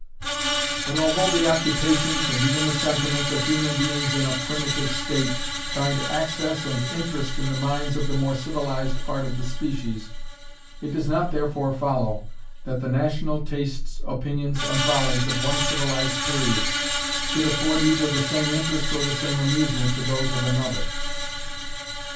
But although the occupations, and even the sentiments, of human beings in a primitive state, find access and interest in the minds of the more civilized part of the species, it does not therefore follow, that the national tastes, opinions, and follies of one civilized period, should afford either the same interest or the same amusement to those of another.